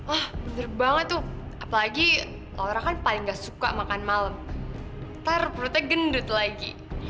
oh ser banget tuh apalagi orang kan paling gak suka makan malam nanti perutnya gendut lagi